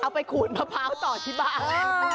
ไปขูดมะพร้าวต่อที่บ้าน